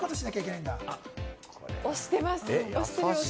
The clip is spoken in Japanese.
押してます。